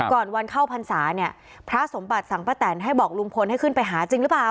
ก่อนวันเข้าพรรษาเนี่ยพระสมบัติสั่งป้าแตนให้บอกลุงพลให้ขึ้นไปหาจริงหรือเปล่า